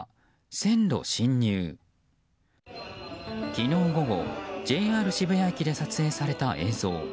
昨日午後ＪＲ渋谷駅で撮影された映像。